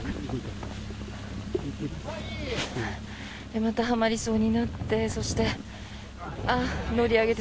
またはまりそうになってそして、乗り上げて